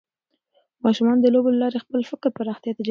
ماشومان د لوبو له لارې د خپل فکر پراختیا تجربه کوي.